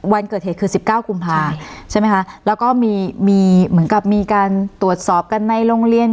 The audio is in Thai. วันเกิดเหตุคือ๑๙กุมภาใช่ไหมคะแล้วก็มีมีเหมือนกับมีการตรวจสอบกันในโรงเรียน